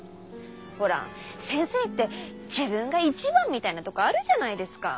ほら先生って自分が一番みたいなとこあるじゃないですかぁ。